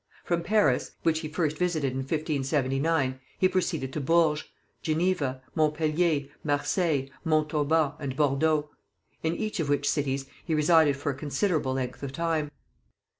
From Paris, which he first visited in 1579, he proceeded to Bourges, Geneva, Montpelier, Marseilles, Montauban and Bordeaux, in each of which cities he resided for a considerable length of time.